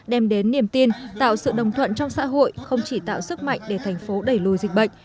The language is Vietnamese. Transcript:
đem đến niềm tin tạo sự đồng thuận trong xã hội không chỉ tạo sức mạnh để thành phố đẩy lùi dịch bệnh